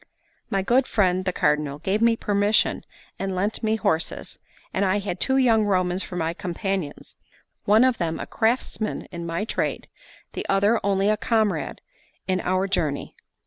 My good friend the Cardinal gave me permission and lent me horses; and I had two young Romans for my companions, one of them a craftsman in my trade, the other only a comrade in our journey.